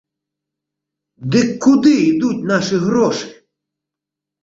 Дык куды ідуць нашы грошы?